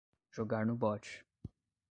Jogar no bot